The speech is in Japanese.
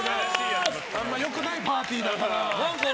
あんまり良くないパーティーだったな。